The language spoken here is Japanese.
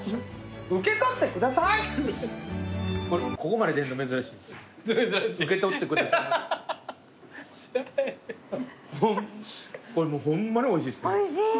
これもうホンマにおいしいですね。